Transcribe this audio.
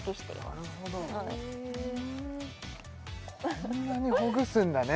なるほどこんなにほぐすんだね